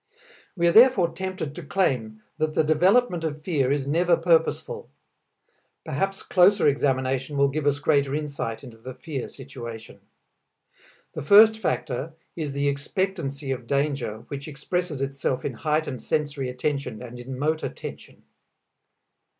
We are therefore tempted to claim that the development of fear is never purposeful. Perhaps closer examination will give us greater insight into the fear situation. The first factor is the expectancy of danger which expresses itself in heightened sensory attention and in motor tension.